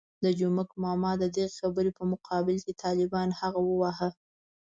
د جومک ماما د دغې خبرې په مقابل کې طالبانو هغه وواهه.